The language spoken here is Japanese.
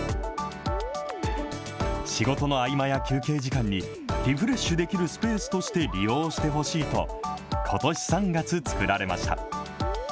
仕事の合間や休憩時間に、リフレッシュできるスペースとして利用してほしいと、ことし３月、作られました。